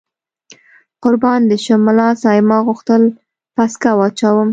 قربان دې شم، ملا صاحب ما غوښتل پسکه واچوم.